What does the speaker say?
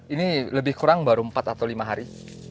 ini lebih kurang baru empat atau lima hari